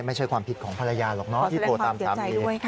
ไม่ใช่ความผิดของภรรยาหรอกเนาะที่โทรตามสามี